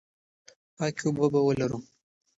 پاکې اوبه به ولرو.